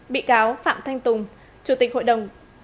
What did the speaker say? bị cáo phạm thanh tùng chủ tịch hội đồng xét xử tại phiên tòa